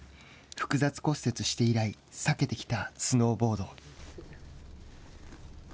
複雑骨折して以来避けてきたスノーボード。